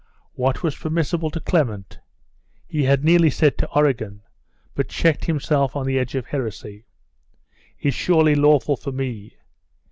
What was permissible to Clement' he had nearly said to Origen, but checked himself on the edge of heresy 'is surely lawful for me!